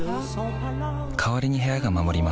代わりに部屋が守ります